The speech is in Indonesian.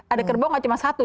ada kerbau gak cuma satu